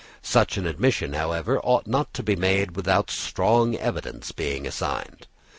Such an admission, however, ought not to be made without strong evidence being assigned.